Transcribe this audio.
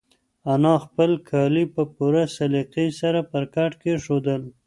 انا خپل کالي په پوره سلیقې سره په کټ کېښودل.